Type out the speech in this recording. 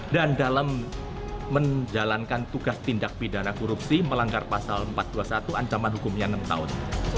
dan dalam menjalankan tugas tindak pidana korupsi melanggar pasal empat ratus dua puluh satu ancaman hukumnya enam tahun